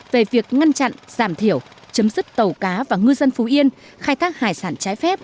về việc ngăn chặn giảm thiểu chấm dứt tàu cá và ngư dân phú yên khai thác hải sản trái phép